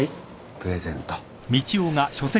プレゼント。